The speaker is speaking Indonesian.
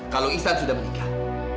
kalau isan sudah meninggal